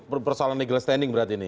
persoalan legal standing berarti ini